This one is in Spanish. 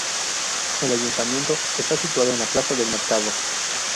El Ayuntamiento está situado en la Plaza del Mercado.